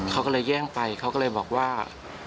เขาก็เลยแย่งไปเขาก็เลยบอกว่า